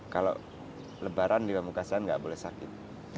kalau lebaran di pamukasan nggak boleh sakit